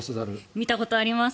見たことあります。